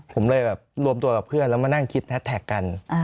ผมเลยแบบรวมตัวกับเพื่อนแล้วมานั่งคิดแฮสแท็กกัน